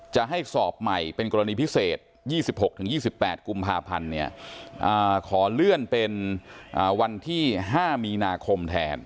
จะให้สอบใหม่เป็นกรณีพิเศษ๒๖๒๘กุมภาพันธ์ขอเลื่อนเป็นวันที่๕มีนาคมแทน